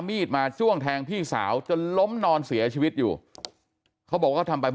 มีดมาจ้วงแทงพี่สาวจนล้มนอนเสียชีวิตอยู่เขาบอกว่าทำไป